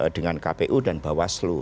dengan kpu dan bawaslu